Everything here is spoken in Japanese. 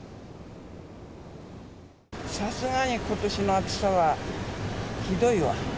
さすがにことしの暑さはひどいわ。